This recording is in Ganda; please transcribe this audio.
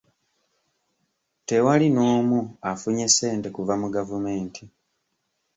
Tewali n'omu afunye ssente kuva mu gavumenti.